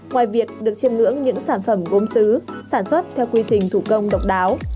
ngoài việc được chiêm ngưỡng những sản phẩm gốm xứ sản xuất theo quy trình thủ công độc đáo